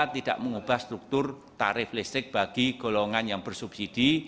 tidak mengubah struktur tarif listrik bagi golongan yang bersubsidi